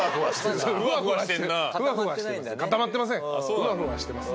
ふわふわしてます。